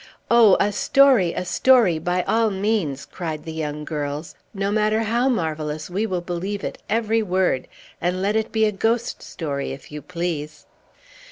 "Oh, a story, a story, by all means!" cried the young girls. "No matter how marvellous; we will believe it, every word. And let it be a ghost story, if you please."